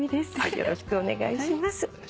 よろしくお願いします。